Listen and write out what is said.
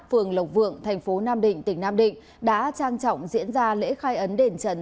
phường lộc vượng thành phố nam định tỉnh nam định đã trang trọng diễn ra lễ khai ấn đền trần